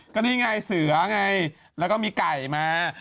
ก็นี่ไงเสือไงแล้วก็มีไก่มา